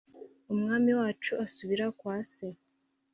Umwami wacu asubira kwa se